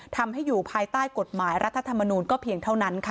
ทำให้อยู่ภายใต้กฎหมายรัฐธรรมนูลก็เพียงเท่านั้นค่ะ